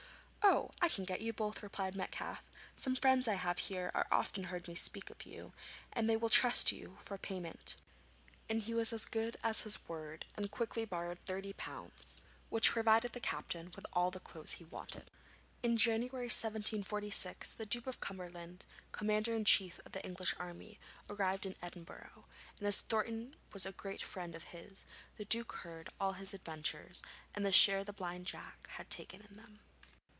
'Oh, I can get you both!' replied Metcalfe; 'some friends I have here have often heard me speak of you, and they will trust you for payment.' And he was as good as his word, and quickly borrowed thirty pounds, which provided the captain with all the clothes he wanted. In January 1746 the Duke of Cumberland, Commander in Chief of the English army, arrived in Edinburgh, and as Thornton was a great friend of his, the Duke heard all his adventures and the share Blind Jack had taken in them.